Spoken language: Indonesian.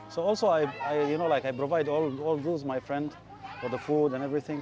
jadi saya juga memberikan semua bantuan kepada teman saya untuk makanan dan segala galanya